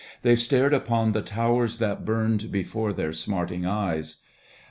They stared upon the towers that burned Before their smarting eyes.